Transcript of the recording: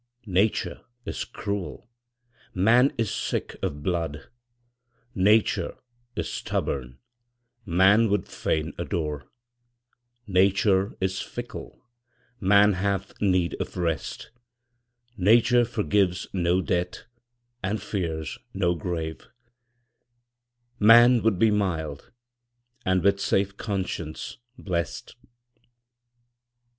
Nature is cruel, man is sick of blood; Nature is stubborn, man would fain adore; Nature is fickle, man hath need of rest; Nature forgives no debt, and fears no grave; Man would be mild, and with safe conscience blest.